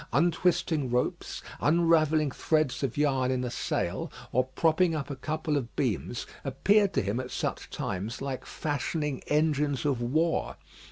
Untwisting ropes, unravelling threads of yarn in a sail, or propping up a couple of beams, appeared to him at such times like fashioning engines of war.